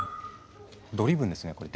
ドリブンですねこれ。